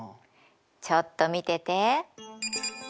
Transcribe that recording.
ちょっと見てて！